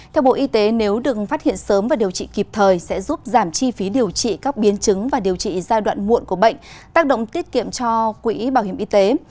theo bộ y tế nếu đừng phát hiện sớm và điều trị kịp thời sẽ giúp giảm chi phí điều trị các biến chứng và điều trị giai đoạn muộn của bệnh tác động tiết kiệm cho quỹ bảo hiểm y tế